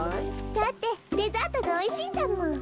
だってデザートがおいしいんだもん。